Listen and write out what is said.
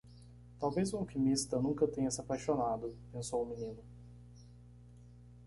Talvez o alquimista nunca tenha se apaixonado, pensou o menino.